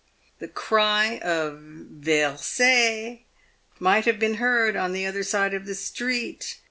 The cry of " Ver r r sez" might have been heard on the other side of the street.